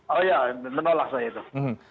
oh ya menolak saya itu